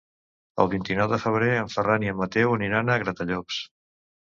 El vint-i-nou de febrer en Ferran i en Mateu aniran a Gratallops.